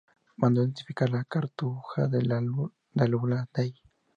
Mandó edificar la Cartuja del Aula Dei.